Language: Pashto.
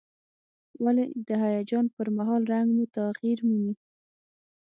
ولې د هیجان پر مهال رنګ مو تغییر مومي؟